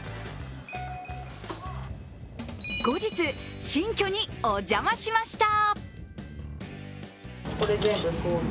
後日、新居にお邪魔しました。